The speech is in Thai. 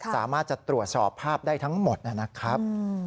สามารถจะตรวจสอบภาพได้ทั้งหมดนะครับ